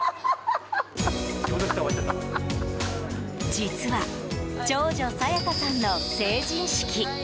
実は長女・サヤカさんの成人式。